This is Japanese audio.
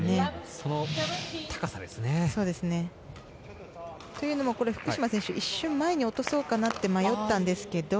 そうですね。というのも福島選手、一瞬前に落とそうか迷ったんですけど。